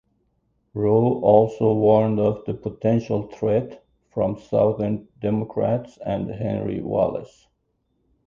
Rowe also warned of the potential threat from Southern Democrats and Henry Wallace.